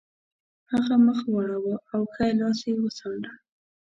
هغه مخ واړاوه او ښی لاس یې وڅانډه